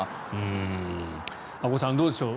阿古さん、どうでしょう。